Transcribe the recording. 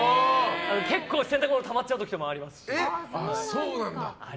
結構洗濯物たまっちゃうときあります。